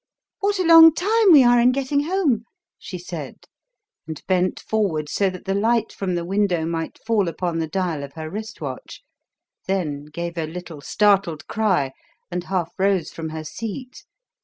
"What a long time we are in getting home," she said, and bent forward so that the light from the window might fall upon the dial of her wrist watch, then gave a little startled cry and half rose from her seat.